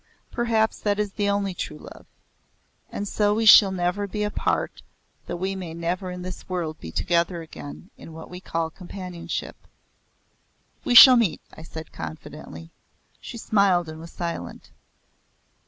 Perhaps that is the only true love. And so we shall never be apart though we may never in this world be together again in what is called companionship." "We shall meet," I said confidently. She smiled and was silent.